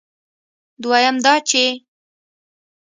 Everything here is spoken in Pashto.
دویم دا چې